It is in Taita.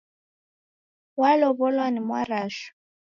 Walow' olwa ni Mwarashu